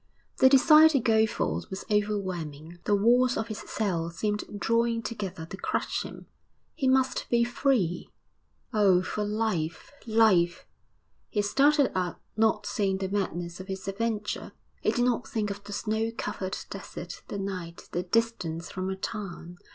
The desire to go forth was overwhelming, the walls of his cell seemed drawing together to crush him; he must be free. Oh, for life! life! He started up, not seeing the madness of his adventure; he did not think of the snow covered desert, the night, the distance from a town.